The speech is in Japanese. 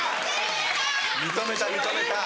認めた認めたほら。